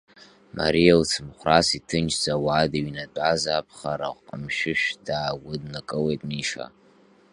Мариа лцымхәрас, иҭынчӡа ауада иҩнатәаз аԥхара ҟәымшәышә даагәыднакылеит Миша.